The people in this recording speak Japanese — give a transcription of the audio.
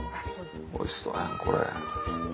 おいしそうやんこれ。